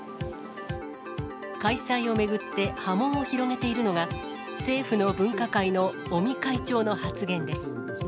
開催を巡って波紋を広げているのが、政府の分科会の尾身会長の発言です。